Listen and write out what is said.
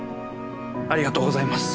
ありがとうございます。